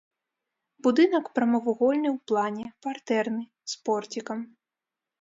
Будынак прамавугольны ў плане, партэрны, з порцікам.